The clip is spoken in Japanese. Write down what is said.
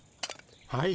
はい。